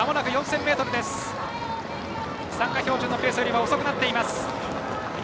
参加標準のペースよりも遅くなっています。